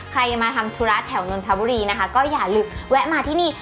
ใครมาทำธุระแถวนนทบุรีนะคะก็อย่าลืมแวะมาที่นี่